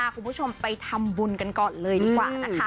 คุณผู้ชมไปทำบุญกันก่อนเลยดีกว่านะคะ